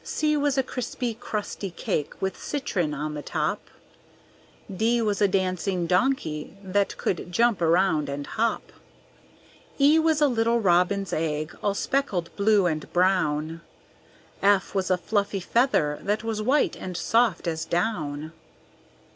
C was a crispy crusty Cake with citron on the top; D was a dancing Donkey that could jump around and hop. E was a little robin's Egg, all speckled blue and brown; F was a fluffy Feather that was white and soft as down.